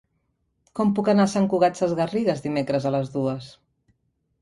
Com puc anar a Sant Cugat Sesgarrigues dimecres a les dues?